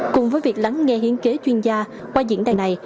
cùng với việc lắng nghe hiến kế chuyên gia qua diễn đàn này